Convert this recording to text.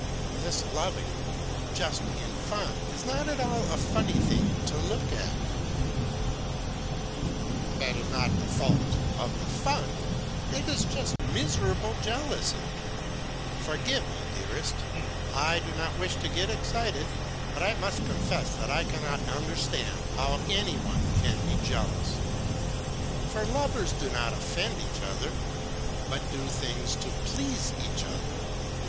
"This loving just in fun is not at all a funny thing to look at." "That is not the fault of the fun it is just miserable jealousy. Forgive me, dearest I do not wish to get excited, but I must confess that I cannot understand how any one can be jealous. For lovers do not offend each other, but do things to please each other.